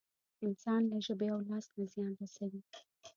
انسان له ژبې او لاس نه زيان رسوي.